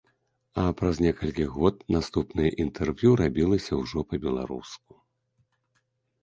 А праз некалькі год наступнае інтэрв'ю рабілася ўжо па-беларуску.